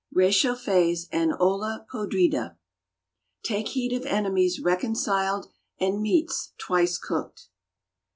RÉCHAUFFÉS AND OLLA PODRIDA "Take heed of enemies reconciled and meats twice cooked."